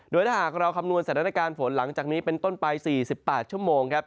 โดยถ้าหากเราคำนวณสถานการณ์ฝนหลังจากนี้เป็นต้นไป๔๘ชั่วโมงครับ